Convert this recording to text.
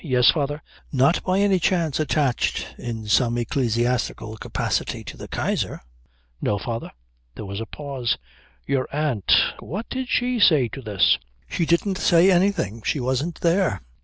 "Yes, father." "Not by any chance attached in some ecclesiastical capacity to the Kaiser?" "No, father." There was a pause. "Your aunt what did she say to this?" "She didn't say anything. She wasn't there."